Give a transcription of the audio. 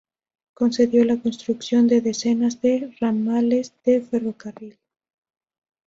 Concedió la construcción de decenas de ramales de ferrocarril.